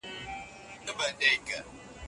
سیاسي بندیان خپلواکي سیاسي پریکړي نه سي کولای.